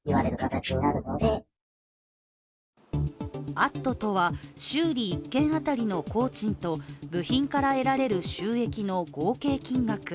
アットとは、修理１件当たりの工賃と部品から得られる収益の合計金額。